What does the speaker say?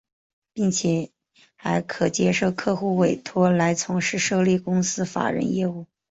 并且还可接受客户委托来从事设立公司法人业务。